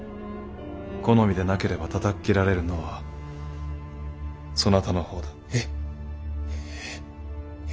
好みでなければたたっ斬られるのはそなたの方だ。え！え！